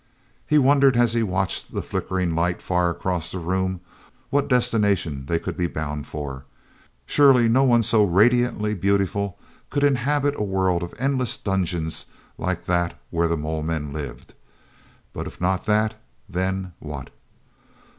e wondered, as he watched the flickering light far across the room, what destination they could be bound for. Surely no one so radiantly beautiful could inhabit a world of endless dungeons like that where the mole men lived. But if not that, then what?